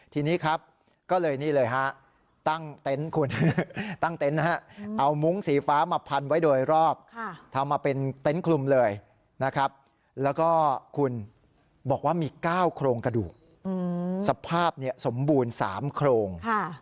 ทีนี้ครับก็เลยนี่เลยฮะตั้งเต็นต์คุณตั้งเต็นต์นะฮะเอามุ้งสีฟ้ามาพันไว้โดยรอบทำมาเป็นเต็นต์คลุมเลยนะครับแล้วก็คุณบอกว่ามี๙โครงกระดูกสภาพสมบูรณ์๓โครง